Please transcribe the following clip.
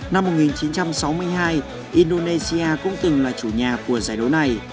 năm một nghìn chín trăm sáu mươi hai indonesia cũng từng là chủ nhà của giải đấu này